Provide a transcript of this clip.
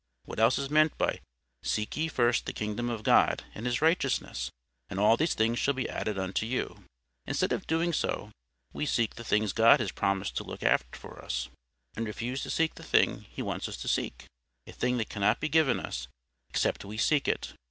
What else is meant by 'Seek ye first the kingdom of God and his righteousness, and all these things shall be added unto you?' Instead of doing so, we seek the things God has promised to look after for us, and refuse to seek the thing He wants us to seek—a thing that cannot be given us, except we seek it.